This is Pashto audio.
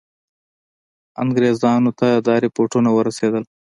انګرېزانو ته دا رپوټونه ورسېدل.